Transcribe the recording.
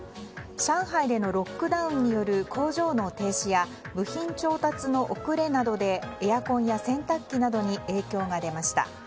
上海でのロックダウンによる工場の停止や部品調達の遅れなどでエアコンや洗濯機などに影響が出ました。